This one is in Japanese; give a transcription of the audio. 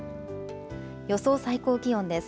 予想最高気温です。